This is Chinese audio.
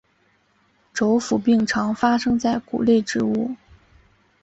轴腐病常发生在谷类植物。